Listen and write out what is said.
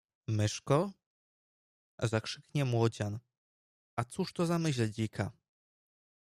Myszko? - zakrzyknie młodzian A cóż to za myśl dzika